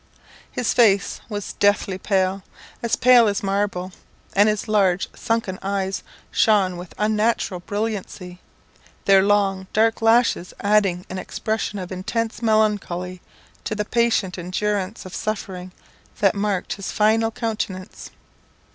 His face was deathly pale, as pale as marble, and his large sunken eyes shone with unnatural brilliancy, their long dark lashes adding an expression of intense melancholy to the patient endurance of suffering that marked his fine countenance.